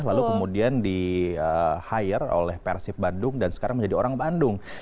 lalu kemudian di hire oleh persib bandung dan sekarang menjadi orang bandung